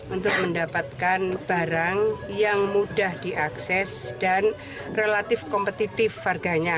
untuk mendapatkan barang yang mudah diakses dan relatif kompetitif harganya